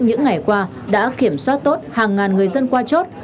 những ngày qua đã kiểm soát tốt hàng ngàn người dân qua chốt